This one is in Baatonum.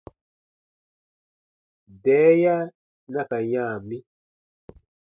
Bɛɛya na ka yã mi.